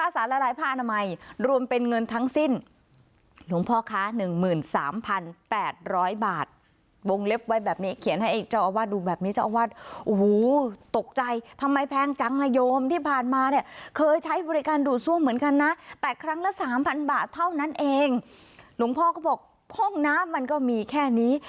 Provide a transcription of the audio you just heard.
สองพันแปดร้อยบาทค่าสาระลายผ้านไหมรวมเป็นเงินทั้งสิ้น